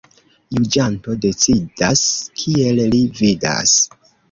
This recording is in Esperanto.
Juĝanto decidas, kiel li vidas.